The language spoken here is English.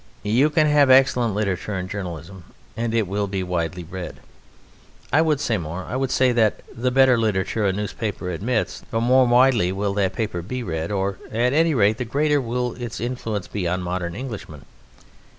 You can have excellent literature in journalism, and it will be widely read. I would say more I would say that the better literature a newspaper admits, the more widely will that paper be read, or at any rate the greater will its influence be on modern Englishmen.